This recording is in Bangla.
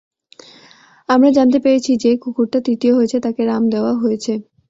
আমরা জানতে পেরেছি যে কুকুরটা তৃতীয় হয়েছে তাকে রাম দেওয়া হয়েছে।